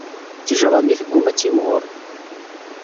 Ttejra-nni tegguma ad timɣur.